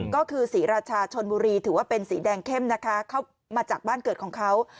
ก็คือศรีราชาชนบุรีถือว่าเป็นสีแดงเข้มนะคะเข้ามาจากบ้านเกิดของเขา